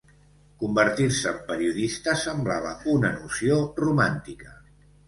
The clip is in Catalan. Convertir-se en periodista semblava una noció romàntica.